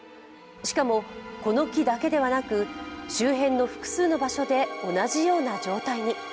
しかもこの木だけではなく、周辺の複数の場所で同じような状態に。